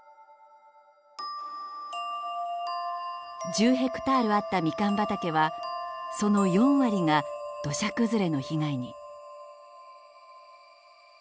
１０ヘクタールあったみかん畑はその４割が土砂崩れの被害に。